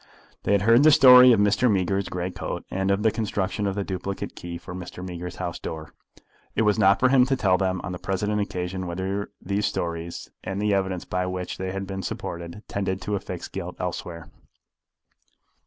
They had heard the story of Mr. Meager's grey coat, and of the construction of the duplicate key for Mr. Meager's house door. It was not for him to tell them on the present occasion whether these stories, and the evidence by which they had been supported, tended to affix guilt elsewhere.